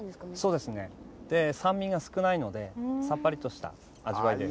そうです酸味が少ないのでさっぱりした味わいです。